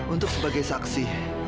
untuk sebagai saksi